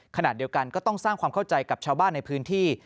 ขณะเดียวกันก็ต้องสร้างความเข้าใจกับชาวบ้านในพื้นที่